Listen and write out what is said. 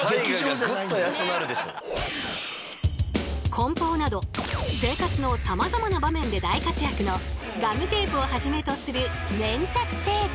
梱包など生活のさまざまな場面で大活躍のガムテープをはじめとする粘着テープ。